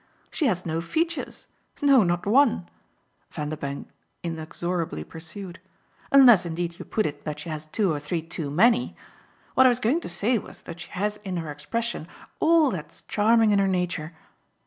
She has no features. No, not one," Vanderbank inexorably pursued; "unless indeed you put it that she has two or three too many. What I was going to say was that she has in her expression all that's charming in her nature.